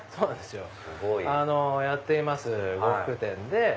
やっています呉服店で。